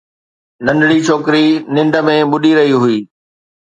ننڍڙي ڇوڪري ننڊ ۾ ٻڏي رهي هئي